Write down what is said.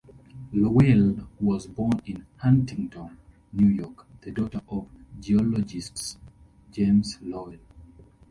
Lowell was born in Huntington, New York, the daughter of geologist James Lowell.